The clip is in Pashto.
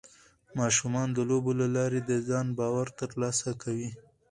ماشومان د لوبو له لارې د ځان باور ترلاسه کوي.